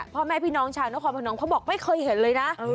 พ่อแม่พี่น้องชาวนครพนมเขาบอกไม่เคยเห็นเลยนะ